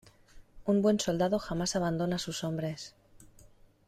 Un buen soldado jamás abandona a sus hombres.